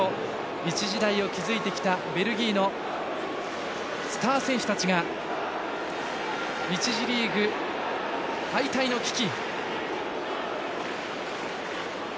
一時代を築いてきたベルギーのスター選手たちが１次リーグ敗退の危機。